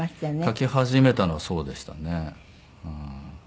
書き始めたのはそうでしたね。